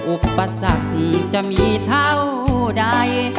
อุปสรรคจะมีเท่าใด